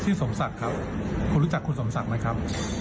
สมศักดิ์ครับคุณรู้จักคุณสมศักดิ์ไหมครับ